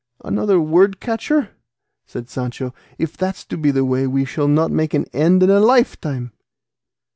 Another word catcher!" said Sancho; "if that's to be the way we shall not make an end in a lifetime."